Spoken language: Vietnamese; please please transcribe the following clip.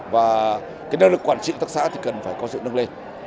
và năng lực quản trị của tác xã cần phải có sự nâng lên